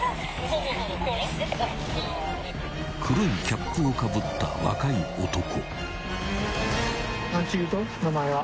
［黒いキャップをかぶった若い男］